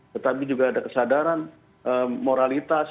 tetapi juga ada kesadaran moralitas